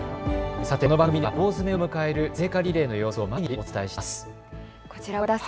さて、この番組では大詰めを迎える聖火リレーの様子を毎日お伝えしています。